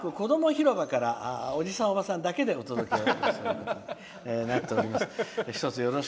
ひろばからおじさん、おばさんだけでお届けとなっております。